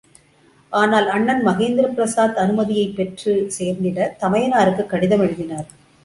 ஆனால், அண்ணன் மகேந்திர பிரசாத் அனுமதியைப் பெற்றுச் சேர்ந்திட தமையனாருக்கு கடிதம் எழுதினார்.